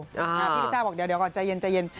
พี่พระเจ้าบอกเดี๋ยวก่อนใจเย็น